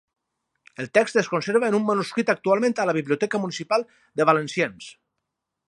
El text es conserva en un manuscrit actualment a la biblioteca municipal de Valenciennes.